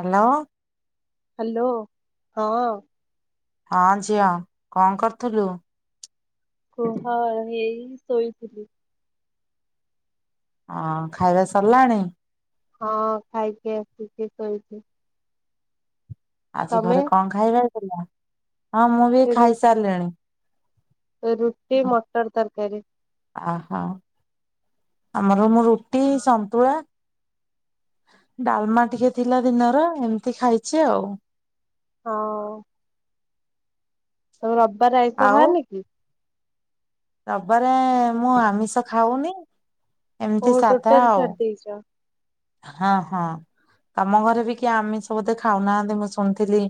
Hello. Hello ହଁ। ହଁ ଝିଅ କଣ କରୁଥିଲୁ? ଓହଁ ହେଇ ଶୋଇଥିଲି। ହ ଖାଇବା ସରିଲାଣି? ହଁ ଖାଇକି ଆସିକି ଶୋଇଛି। ଆଜି ତମେ? ଘରେ କଣ ଖାଇବେ? [inaudible] ହଁ ମୁଁ ବି ରୁ ଖାଇସାରିଲିଣି। ରୁଟି, ମଟର୍ ତରକାରୀ। ଓହୋ ଆମେ ଆ ମୁଁ ରୁଟି, ସନ୍ତୁଳା [inaudible] ଡାଲମା ଟିକେ ଥିଲା ଦିନର। ଏମିତି ଖାଇଛି ଆଉ। ହଁ। [inaudible] ତାର ଆଇସ ଆଉ ବାରିନିକି? [unintelligible] ମୁଁ ଆମିଷ ଖାଉନି। ଓ ଏମିତି ସାଧା ଟୋଟଲ ଆଉ [unintelligible] ହଁ ହଁ ତମ ଘରେ ବି କି ଆମିଷ ବୁଧେ କେହି ଖାଉନାହାନ୍ତି ମୁଁ ଶୁଣିଥିଲି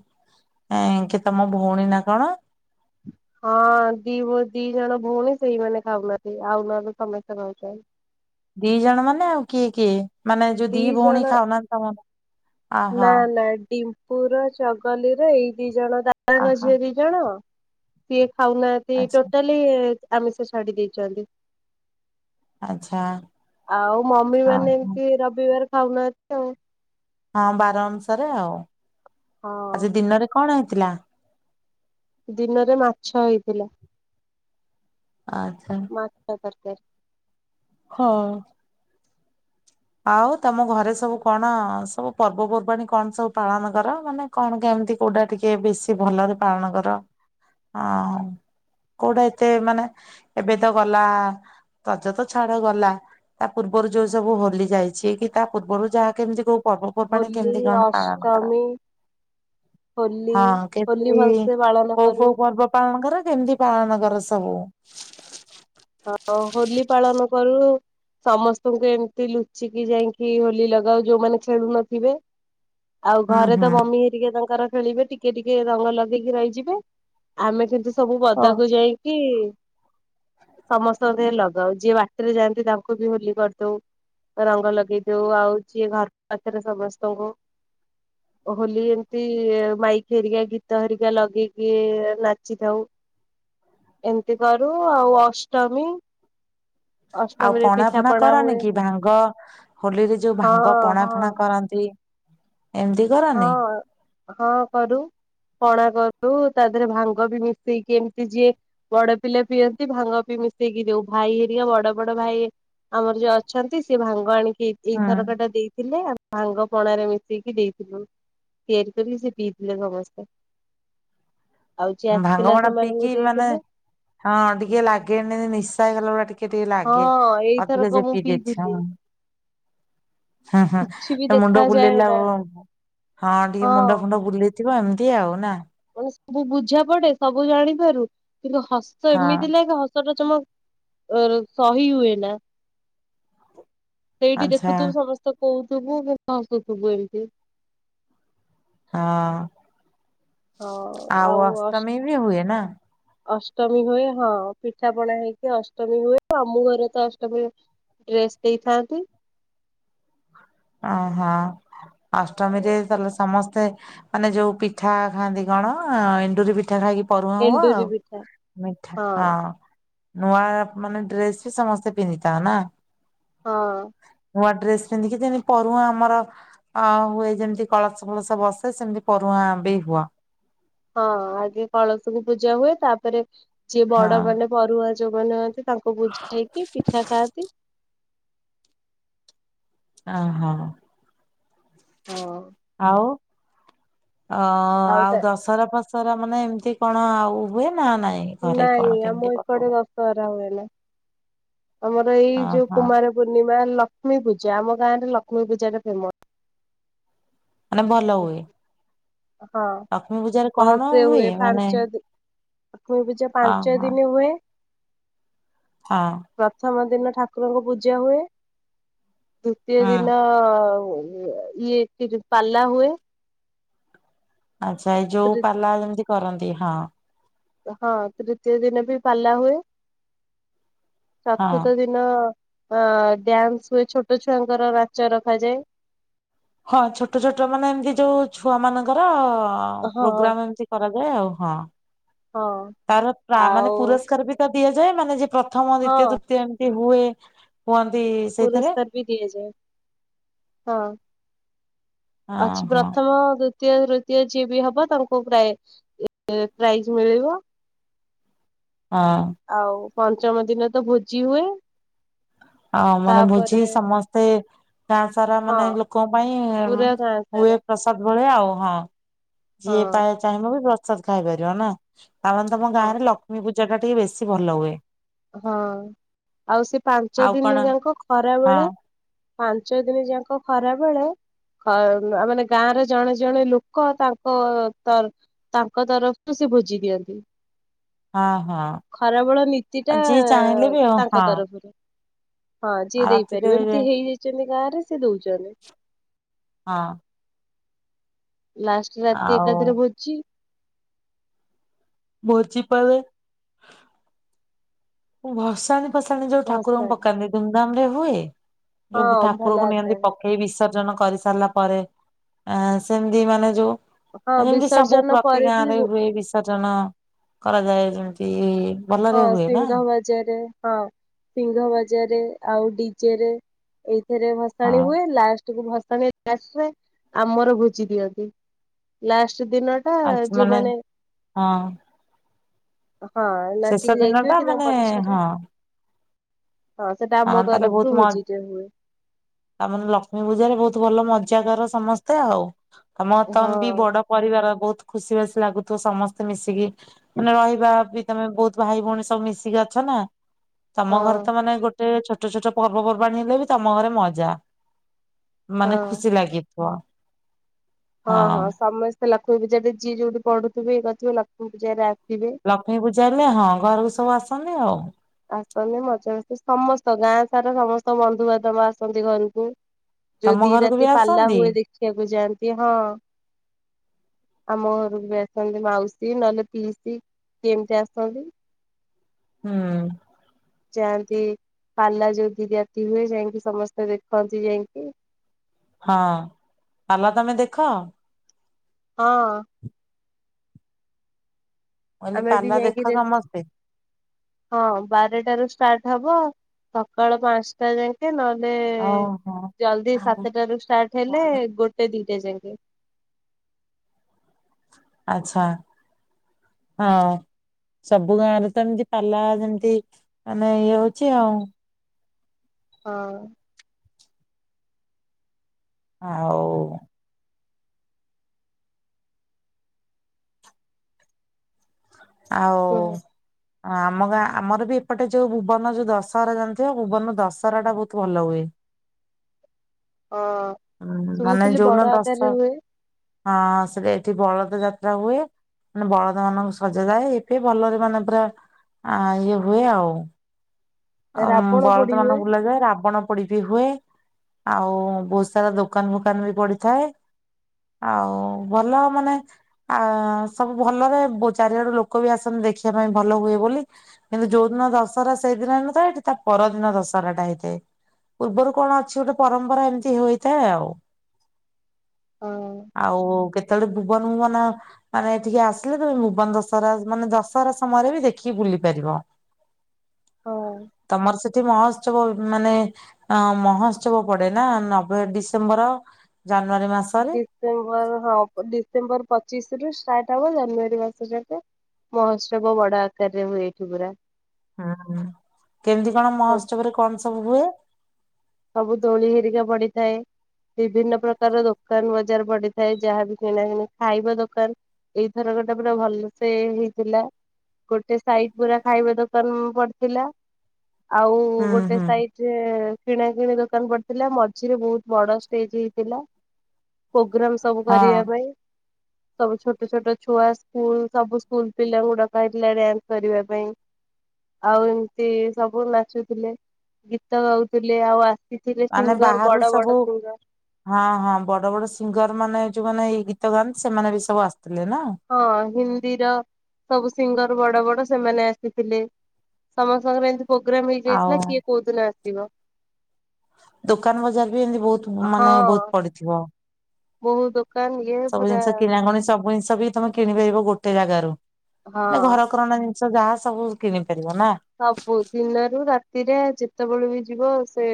ଏ କି ତମ ଭଉଣୀ ନା କଣ। ହଁ ଦି ଦି ଜଣ ଭଉଣୀ, ସେଇମାନେେ ଖାଉନାହାନ୍ତି ଆଉ ନହେଲେ ସମସ୍ତେ ଖାଉଛନ୍ତି। ଦି ଜଣ ମାନେ ଆଉ କିଏ କିଏ? ମାନେ ଯଉ ଦି ଭଉଣ ଖାାଉ ନାହାନ୍ତି [inaudible] ନା ନାହିଁ। ପୁରା ଚଗଲିରେ ଏଇ ଦି ଜଣ। ଦାଦାଙ୍କ ଓହୋ ଝିଅ ଦି ଜଣ। [inaudible] ଖାଉନାହାନ୍ତି ଆଚ୍ଛା ଟୋଟାଲି। ଆମିଷ ଛାଡି ଦେଇଛନ୍ତି। ଆଚ୍ଛା ଆଉ ମମି ହଁ ମାନେ ଏମତି ରବିବାର। [inaudible] ହଁ ବାର ଅନୁସାରେ ଆଉ। ଆଜି ହଁ। ଦୀନରେ କଣ ହେଇ [unintelligible] ଦୀନରେ ମାଛ ହେଇଥିଲା । ଆଛା । [unintelligible] ହଁ । ଆଉ ତମ ଘରେ ସବୁ କଣ ସବୁ ପର୍ବପର୍ବାଣିୀ କଣ ସବୁ ପାଳନ କର, ମାନେ କଣ କେମିତି, କୋଉଟା ଟିକେ ବେଶୀ ଭଲରେ ପାଳନ କର, କୋଉଟା ଏତେ ମାନେ । ଏବେ ତ ଗଲା ରଜ ତ ଛାଡ଼, ଗଲା ତା ପୂର୍ବରୁ ଯୋଉ ସବୁ ହୋଲି ଯାଇଛି କି ତା ପୂର୍ବରୁ ଯାହା, କେମିତି କୋଉ ପର୍ବପର୍ବାଣି ହୋଲି କେମିତି କଣ ପାଳନ କର, ଅଷ୍ଟମୀ ହୋଲି ହଁ, ହୋଲି କେମିତି ଭଲସେ ପାଳନ କୋଉ କରୁ କୋଉ ପର୍ବ ପାଳନ କର? ଏମିତି ପାଳନ କର, ସବୁ ହଁ, ହୋଲି ପାଳନ କରୁ, ସମସ୍ତଙ୍କୁ ଏମିତି ଲୁଚିକି ଯାଇକି ହୋଲି ଲଗାଉ, ଯୋଉମାନେ ଖେଳୁ ନଥିବେ ଆଉ, ହୁଁ ଘରେ ହୁଁ। ତ ମମି ହେରିକେ ତାଙ୍କର ଖେଳିବେ, ଟିକେ ଟିକେ ରଙ୍ଗ ଲଗେଇକି ରହିଯିବେ, ଆମେ କିନ୍ତୁ ସବୁ ଓ ବଦାକୁ ଯାଇକି ସମସ୍ତଙ୍କ ଦେହରେ ଲଗାଉ, ଯିଏ ବାଟରେ ଯାଆନ୍ତି ତାଙ୍କୁ ବି ହୋଲି କରିଦଉ, ରଙ୍ଗ ଲଗେଇ ଦଉ । ଆଉ ଯିଏ ଘର ପାଖରେ, ସମସ୍ତଙ୍କୁ ହୋଲି ଏମତି, ମାଇକି ହେରିକା ଗୀତ ହେରିକା ଲଗେଇକି ନାଚିଥାଉ, ଏମିତି କରୁ ଆଉ ଅଷ୍ଟାମୀ ଆଉ ପଣା ଫଣା କରନି ହୁଏ କି, ଭାଙ୍ଗ, ହୋଲିରେ ଯୋଉ ହଁ ଭାଙ୍ଗ ପଣା ହଁ ଫଣା କରନ୍ତି । ଏମିତି କରନି? ହଁ। ହଁ, କରୁ ପଣା କରୁ, ତା ଦେହରେ ଭାଙ୍ଗ ବି ମିଶେଇକି ଏମିତି ଯିଏ ବଡ଼ ପିଲା ପିଅନ୍ତି, ଭାଙ୍ଗ ବିି ମିଶେଇକି ଦଉ, ଭାଇ ହେରିକା ବଡ଼ ବଡ଼ ଭାଇ, ଆମର ଯୋଉ ଅଛନ୍ତି ସିଏ ଭାଙ୍ଗ ଆଣି ଏଇ, ଏଇଥରକା ଟା ଦେଇଥିଲେ, ଆଉ ଭାଙ୍ଗ ପଣାରେ ମିଶେଇକି ଦେଇ [inaudible] ତିଆରି କରି ସେ ପିଇଥିଲ ସମସ୍ତେ। ଆଉ ଯିଏ ଭାଙ୍ଗ ଆସିଥିଲା ପଣା ସେମାନଙ୍କୁ ପିଇକି ମାନେ ଦେଇଥିଲୁ ହଁ ଟିକେ ଲାଗେନି ନିଶା ହେଇଗଲା ଭଳିଆ ଟିକେ ଟିକେ ଟିକେ ଲାଗେ, ହଁ ଅଧିକ ଏଇଥରକ ଯେ ମୁଁ ପିଇଦିଏ ପିଇଥିଲି। [unintelligible] କିଛି ବି ହଁ ମୁଣ୍ଡ ଦେଖାଯାଏ ବୁଲେଇଲା ନା ହଁ ଟିକେ ହଁ ମୁଣ୍ଡ ଫୁଣ୍ଡ ବୁଲେଇ ଥିବ ଏମିତି ଆଉ ନା? ସବୁ ବୁଝା ପଡ଼େ ସବୁ ଜାଣିିବାରୁ କିନ୍ତୁ ହସ ହଁ ଏମିତି ନାଇକି ହସଟା [unintelligible] ଶହି ହୁଏ ନା। ସେଇଠି ଆଚ୍ଛା ଦେଖୁଥୁ ସମସ୍ତ କହୁଥିବୁ ମୁଁ [unintelligible] ଏମତି ହଁ। ହଁ ଆଉ ଅଷ୍ଟମୀ ବି ହୁଏ ନା? ଅଷ୍ଟମୀ ହୁଏ ହଁ ପିଠାପଣା ହେଇକି ଅଷ୍ଟମୀ ହୁଏ । ମାମୁ ଘରେ ତ ଅଷ୍ଟମୀ ଡ୍ରେସ ଦେଇଥାନ୍ତି। ଓହୋ ଅଷ୍ଟମୀରେ ତାହେଲେ ସମସ୍ତେ ମାନେ ଯୋଉ ପିଠା ଖାଆନ୍ତି କଣ ଏଣ୍ଡୁରି ପିଠା ଖାଇକି ପରୁହାଁ ହଉ ଏଣ୍ଡୁରି ଆଉ ପିଠା ମିଠା ହଁ ନୂଆ ମାନେ ଡ୍ରେସ ବି ସମସ୍ତେ ପିନ୍ଧିଥାଅ ନା ହଁ। ନୂଆ ଡ୍ରେସ ପିନ୍ଧିିକି ପରୁହାଁ ଆମର ଅ ହୁଏ ଯେମିତି କଳସ ଫଳସ ବସେ ସେମତି ପରୁହାଁ ବି ହୁଅ ହଁ ଆଗେ କଳସକୁ ପୂଜା ହୁଏ ତାପରେ ଯିଏ ହଁ ବଡ଼ମାନେ ପରୁହା ଯୌମନେ ହୁଅନ୍ତି ତାଙ୍କୁ ପୂଜେଇକି ପିଠା ଖାଆନ୍ତି। ଅ ହ ହଁ ଆଉ ଅ ଆଉ ଦଶହରା ଫ ସରା ମାନେ ଏମିତି କଣ ଆଉ ହୁଏ? ନା ନାଇଁ ଘରେ କଣ ନାଇଁ କେମିତି ଆମ ପର୍ବ ଏକଡେ ଦଶହରା ହୁଏନା। ଆମର ଏଇ ଯୋଉ ଓହୋ କୁମାର ପୂର୍ଣ୍ଣିମା ଲ ଲକ୍ଷ୍ମୀ ପୂଜା ଆମ ଗାଁରେ ଲକ୍ଷ୍ମୀ ପୂଜା ଟା ଫେମସ ମାନେ ଭଲ ହୁଏ। ହଁ ଲକ୍ଷ୍ମୀ ପୂଜାରେ କଣ ଭଲ ସେ ହୁଏ ମାନେ ପାଞ୍ଚ ଦି ଠାକୁର ପୂଜା ପାଞ୍ଚ ଓହୋ ଦିନ ହୁଏ। ହଁ ପ୍ରଥମ ଦିନ ଠାକୁରଙ୍କ ପୂଜା ହୁଏ। ଦୁତୀୟ ହୁଁ ଦିନ ପୁଅ ଝିଅ ଇଏ କି ଯେ ପାଲା ଲା ହୁଏ ଆଚ୍ଛା ଏଇ ଯୋଉ ପାଲା ଯେମିତି କରନ୍ତି ହଁ ହଁ ତୃତୀୟ ଦିନ ବି ପାଲା ହୁଏ। ହଁ ଚତୁର୍ଥ ଦିନ ଅ ଡ୍ୟାନ୍ସ ହୁଏ ଛୋଟ ଛୁଆଙ୍କର ନାଚ ରଖାଯାଏ। ହଁ ଛୋଟ ଛୋଟ ମାନେ ଏମିତି ଯୋଉ ଛୁଆ ମାନଙ୍କର ହଁ ହଁ ପ୍ରୋଗ୍ରାମ ଏମିତି କରାଯା ଏ ଆଉ ହଁ ହଁ ତାର ମା ମାନେ ଆଉ ପୁରସ୍କାର ବି ଦବ ଦିଆଯାଏ ମାନେ ଯେ ପ୍ର ପ୍ରଥମ ହଁ ଦିିତୀୟ ତୃତୀୟ ଏମିତି ହୁ ହୁଏ ହୁଅନ୍ତି ସେଇଥିରେ ପୁରସ୍କାର ବି ଦିଏଯାଏ ହଁ ହଁ ଅଛି ହଁ ପ୍ରଥମ ଦି ତୀୟ ତୃତୀୟ ଯିଏବି ହବ ତାଙ୍କୁ ପ୍ରାଇ ଏ ପ୍ରାଇଜ ମିଳିବ । ହଁ । ପଞ୍ଚମ ଦିନ ତ ଭୋଜି ହୁଏ । ଆଉ ମାନେ ଭୋଜି ସମସ୍ତେ ଗାଁ ସାରା ହଁ ମାନେ ଲୋକଙ୍କ ପାଇଁ ପୁରା ଗାଁ ହୁଏ ସାରା ପ୍ରସାଦ ଭଳିଆ ଆଉ। ଓହାଁ । ହଁ ଯିଏ ପାଏ ଚାହିଁବବି ବ ସାଦ୍ ଖାଇପାରିବ ନା । ତାମାନେ ତମ ହଁ ଗାଁରେ ଲକ୍ଷ୍ମୀ ପୁ ଜାଟା ଟିକେ ବେଶୀ ଭଲ ହୁଏ । ହଁ ଆଉ ସେ ପାଞ୍ଚ ଆଉ କଣ ଦିନି ଯାଙ୍କ ଖରା ହଁ ବେଳେ ପାଞ୍ଚ ଦିନି ଯାଙ୍କ ଖରାବେଳେ ଅ ମା ମାନେ ଗାଁର ଜଣେ ଜଣେ ଲୋକ ତାଙ୍କ ତର ତାଙ୍କ ତରଫରୁ ସେ ଭୋଜି ଦିଅନ୍ତି। ହଁ ହଁ ଖରାବେଳ ନୀତି । ଟା ତାଙ୍କ ତରଫରୁ। ହଁ ଯିଏ ଆଉ ଦେଇପାରିବେ ରାତିରେ ଏମତି ହେଇଯାଇଚନ୍ତି । ଗାଁରେ ସେ ଦଉଚନ୍ତି । ହଁ । ଲାଷ୍ଟ ରାତି ଆଉ ଏକାଥରେ ଭୋଜି । ବୋଜିପା [unintelligible] ହୁଁ ଭସାଣି । ପସାଣି ଯଉ ଠାକୁରଙ୍କୁ ଭସାଣି। ପକାନ୍ତି ଧୁମଧାମରେ ହୁ ହୁଏ । ଯୋଉ ହଁ ଭଲ ଠାକୁରକୁ ନିଅନ୍ତି ଆକାରରେ ପକେଇ ବିସର୍ଜନ କ କରି ସାରିଲା ପରେ ଆ ସେମିତି ମାନେ ଯୋଉ ହଁ ଏମିତି ସବୁ ବିସର୍ଜନ ପ୍ରତି ପରେ ବି ଗାଁରେ ହୁଏ ବିସର୍ଜନ କରାଯାଏ । ଯେମତି ଭଲରେ ହୁଏ ନା । ଚାରେ ହଁ ସିଙ୍ଘ ବାଜାର ଆଉ ଡିଜେରେ ରେ ଭସାଣି ହଁ ହୁଏ ଲାଷ୍ଟ ସବୁ ଭସାଣି ଲାସ୍ ହୁଏ ଆମର ଭୋଜି ଦିଅନ୍ତି ଲାଷ୍ଟ୍ । ସେଦିନ ଟା ଆ ମାନେ ଯୋଉମାନେ ହଁ ହଁ [unintelligible] ଶେଷ ଦିନ ଯାଇଥିବେ ଟା କି ତାଙ୍କ ମାନେ- ପଛରେ ହଁ। ସେଟା ଆମ ହଁ ।ତାହେଲେ ତରଫରୁ ବହୁତ ମଜ ଭୋଜିଟେ ହୁଏ। ତାମାନେ ଲକ୍ଷ୍ମୀ ପୂଜା ରେ ବହୁତ ଭଲ ମଜ ପୂଜାକର ସମସ୍ତେ ଆଉ। ଆମ ହଁ ତମ ବି ବଡ ପରିବାର ବହୁତ ଖୁସି ବାସି ଲାଗୁଥିବ ସମସ୍ତେ ମିଶିକି ମାନେ ରହିବା ବି ତମେ ବହୁତ ଭାଇ ଭଉଣୀ ସବୁ ମିଶିକି ଅଛ ନା। ତମ ହଁ ଘର ତ ମାନେ ଗୋଟେ ଗୋେ [unintelligible] ଛୋଟ ଛୋଟ ପର୍ବପର୍ବାଣି ହେଲେ ବି ତମ ଘରେ ମଜା। ମାନେ ହଁ। ଖୁସି ଲାଗି ଆ [unintelligible] ହଁ ହଁ। ସମସ୍ତେ ସେ ଲକ୍ଷ୍ମୀପୂଜାରେ ଯିଏ ଯୋଉଠି ପଢୁଥିବେ ଇଏ କରୁଥିବେ ଲକ୍ଷ୍ମୀପୂଜାରେ ଅସ୍ ଲକ୍ଷ୍ମୀ ପୂଜା ହେଲେ ହଁ ।ଘରକୁ ସବୁ ଆସ ସେ ଆଉ [unintelligible] ଆସନ୍ତି ମଜାମସ୍ତି ଆସମସ୍ତ ଗାଁ ସାରା ସମସ୍ତ ବନ୍ଧୁବାନ୍ଧବ ଆସନ୍ତି ଘରକୁ। ଯଉ ତମ ଦି ଘରକୁ ବି ରାତି ପାଲା ଆସନ୍ତି? ହୁଏ ଦେଖିବାକୁ ଯାଆନ୍ତି ।ହଁ। ଆମ ଘରକୁ ବି ଆସନ୍ତି। ମାଉସୀ ନହେଲେ ପିଇସି ଯେମତି ଆସନ୍ତି। ହୁଁ। ଯାଆନ୍ତି ପାଲା ଯୋଉ ଦି ରାତି ହୁଏ ଯାଇକି ସମସ୍ତେ ଦେଖନ୍ତି ଯାଇକି। ହଁ । ପାଲା ତମେ ଦେଖ? ହଁ। କହିଲି ଆମେ ବି ପାଲା ଯାଇକି ଦେଖ ଦେଖୁ ସମସ୍ତେ ହଁ ବାରଟାରୁ ଷ୍ଟାର୍ଟ ହବ। ସକାଳ ପାଞ୍ଚଟା ଯାଇକେ ନହେଲେ ଓହୋ ଜଲ୍ଦି ସାତଟ ରୁ ଷ୍ଟାର୍ଟ ହେଲେ ଗୋଟେ ଦିଟା ଯାଇ। [unintelligible] ଆଚ୍ଛା ହଁ ସବୁ ଗାଁରେ ତ ଏମିତି ପାଲା ଯେମିତି ମାନେ ଇଏ ହଉଛି ଆଉ। ହଁ। ଆଉ ଆଉ କୁହ। ଆମ ଗାଁ ଆମର ବି ଏପଟେ ଯୋଉ ଭୁବନ ଯୋଉ ଦଶହରା ଜାଣିଥିବ ଭୁବନ ଦଶହରା ଟା ବହୁତ ଭଲ ହୁଏ। ହଁ ହଁ ମାନେ ଶୁଣିଥିଲି ବଡ ଯଉନ ତ ଆକାରରେ ହୁଏ ହଁ ସେଟ ଏଠି ବଳ ଯାତ୍ରା ହୁଏ ମାନେ ବଳଦ ମାନଙ୍କ ସଜାଯାଏ ଏବେ ଭଲରେ ମାନେ ପୁରା ଇଏ ହୁଏ ଆଉ। ଆଉ ରାବଣ ବଳଦ ପୋଡି ହୁଏ ମାନଙ୍କୁ ବୁଲାଯାଏ ରାବଣ ପୋଡି ବିି ହୁଏ। ଆଉ ବହୁତ ସାରା ଦୋକାନ ଫୋକାନ ବି ପଡିଥାଏ। ଆଉ ଭଲ ମାନେ ଆ ସବୁ ଭଲରେ ଚାରିଆଡୁ ଲୋକ ବି ଆସନ୍ତି ଦେଖିବା ପାଇଁ ଭଲ ହୁଏ ବୋଲି ।କିନ୍ତୁ ଯୋଉ ଦିନ ଦଶହରା ସେଇଦିନ ହେଇନଥାଏ ଏଠି ତା ପରଦିନ ଦଶହରା ଟା ହେଇଥାଏ ପୂର୍ବରୁ କଣ ଅଛି ଗୋଟେ ପରମ୍ପରା ଏମିତି ହେଇଥାଏ ଆଉ। ହଁ ଆଉ କେ ଯେତେବେଳେ ଭୁବନ ଭୁବନ ମାନେ ଟିକେ ଆସିଲେ ତମେ ଜୀବନ ଦଶହରା ମାନେ ଦଶହରା ସମୟରେ ବି ଦେଖିକି ବୁଲି ପାରିବ। ହଁ। ତମର ସେ ମହୋତ୍ସବ ମାନେ ଅ ମହୋତ୍ସବ ପଡେ ନା ନ ଡିସେମ୍ବର ଜାନୁ ଡିସେମ୍ବର ହଁ ଡିସେମ୍ବର ପ ପଚିଶରୁ ଷ୍ଟାର୍ଟ ହବ ଜାନୁଆରୀ ମାସ ଜାକେ ମହୋତ୍ସବ ବଡ ଆକାରରେ ହୁଏ ଏଠି ପୁରା। ହୁଁ କେମିତି କଣ ମହୋତ୍ସବ ରେ କଣ ସବୁ ହୁଏ? ସବୁ ଦୋଳି ହେରିକା ପଡିଥାଏ ବିଭିନ୍ନ ପ୍ରକାର ଦୋକାନ ବଜାର ପଡିଥାଏ ଯାହାବି କିଣା କିଣି ଖାଇବା ଦୋକାନ ଏଇଥରକଟା ଗୋଟେ ପୁରା ଭଲ ସେେ ହେଇଥିଲା ଗୋଟେ ସାଇଡ ପୁରା ଖାଇବା ଦୋକାନ ପଡିଥିଲା। ଆଉ ହୁଁ ଗୋଟେ ହୁଁ। ସାଇଡରେ କିଣା କିିଣି ଦୋକାନ ପଡିଥିଲା ମଝିରେ ବହୁତ ବଡ ଷ୍ଟେଜ ହେଇଥିଲା। ପ୍ରୋଗ୍ରାମ ସବୁ ହଁ କରିବା ପାଇଁ। ସବୁ ଛୋଟ ଛୋଟ ଛୁଆ ସ୍କୁଲ ସବୁ ସ୍କୁଲ ପିଲାଙ୍କୁ ଡକା ହେଇଥିଲା ଡ୍ୟାନ୍ସ କରିବା ପାଇଁ ଆଉ ଏମିତି ସବୁ ନାଚୁଥିଲେ ଗୀତ ଗାଉ ଲେ ଆବାଜ। ମାନେ ବାହାରୁ ସବୁ ହଁ ହଁ ବଡ ବଡ ସିଙ୍ଗର ମାନେ ଯୋଉମାନେ ଏଇ ଗୀତ ଗାନ୍ତି ସେମାନେ ବି ସବୁ ଆସ ହଁ ହିନ୍ଦୀର ସବୁ ସିଙ୍ଗର। ବଡ ବଡ ସେମାନେ ଆସିଥିଲେ ସମସ୍ତଙ୍କର ଏମ ପ୍ରୋଗ୍ରାମ ଆଉ ହେଇଯାଇଥିଲା କିଏ କୋଉଦିନ ଥିବ। ଦୋକାନ ବଜାର ବି ଏମତି ବହୁତ ହଁ ମାନେ ବହୁତ ପଡିଥିବ ବହୁ ଦୋକାନ ଇଏ ସବୁ ପୁରା ଜିନିଷ କିଣାକଣି ସବୁ ଜିନିଷ ବି ତମେ କିଣିପାରିବ ଗୋଟେ ଜାଗାରୁ। ହଁ ନା ଘର କରନା ଜି ଯାହା ସବୁ କିଣି ପାରିବ ନା ସବୁ ଦିନରୁ ରାତିରେ ଯେତେବେଳେ ବି ଯିବ ସେ।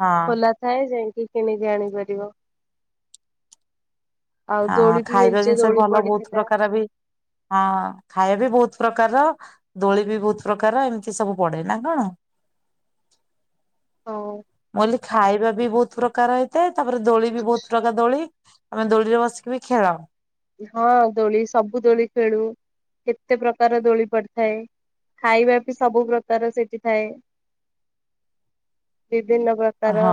ହଁ। ଖୋଲା ଥାଏ ଯାଇ କି କିଣିକି ଆଣିପାରିବ? ଆଉ ହଁ ଦୋଳି ବି ଖାଇବା ମେଞ୍ଚେ ଜିନିଷ ବି ଦୋଳି ଭଲ ବହୁତ ପଡିଥିଲା। ପ୍ରକାର ବି ହଁ ଖାଇବା ବି ବହୁତ ବହୁତ ପ୍ରକାର ଦୋଳି ବି ବହୁତ ପ୍ରକାର ଏମିତି ସବୁ ପଡେ ନା କଣ? ହଉ। ମୁଁ କହିଲି କି ଖାଇବା ବି ବହୁତ ପ୍ରକାର ହେଇଥାଏ। ତାପରେ ଦୋଳି ବି ବହୁତ ପ୍ରକାର ଦୋଳି। ତମେ ଦୋଳିରେ ବସିକି ବି ଖେଳ? ହଁ ଦୋଳି ସବୁ ଦୋଳି ଖେଳୁ କେତେ ପ୍ରକାର ଦୋଳି ପଡିଥାଏ ଖାଇବା ବି ସବୁ ପ୍ରକାର ସେଠି ଥାଏ। ବିଭିନ୍ନ ପ୍ରକାର ହଁ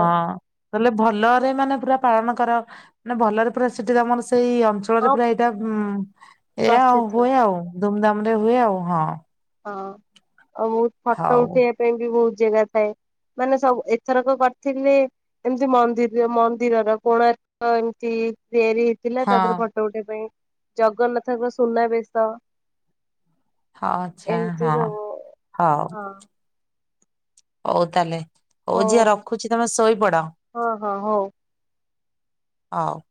ତାହଲେ ଭଲରେ ମାନେ ପୁରା ପାଳନ କର। ମାନେ ଭଲରେ ପୁରା ସେଠି ତମର ସେଇ ଅଞ୍ଚଳରେ ହଁ ପୁରା ଏଇଟା ଏହା ପ୍ରସିଦ୍ଧ ହୁଏ ଆଉ। ଧୁମଧାମ ରେ ହୁଏ ଆଉ ହଁ । ହଁ। ଆଉ ମୁଁ ଫଟୋ ହଉ। ଉଠେଇବା ପାଇଁ ବି ବହୁତ ଜାଗା ଥାଏ ମାନେ ସବୁ ଏଥରକ କରିଥିଲେ ଏମିତି ମନ୍ଦିର ମନ୍ଦିରର କୋଣାର୍କ ଏମତି ତିଆରି ହେଇଥିଲା ତା ଦେହର ହଁ ଫଟୋ ଉଠେଇବା ପାଇଁ ଜଗନ୍ନାଥଙ୍କ ସୁନାବେଶ । ହଁ ଆଛା ହଁ ହଉ ହଁ । ହଉ ତାହେଲେ। ହଉ ଝିଅ ରଖୁଛି ତମେ ଶୋଇପଡ ହଁ ହଁ ହଉ। । ହଉ।